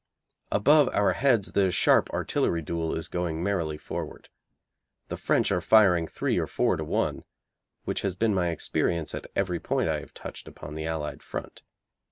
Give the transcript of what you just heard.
Above our heads the sharp artillery duel is going merrily forward. The French are firing three or four to one, which has been my experience at every point I have touched upon the Allied front.